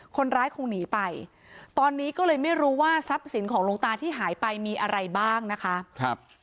คนร้ายคงหนีไปตอนนี้ก็เลยไม่รู้ว่าทรัพย์สินของหลวงตาที่หายไปมีอะไรบ้างนะคะครับ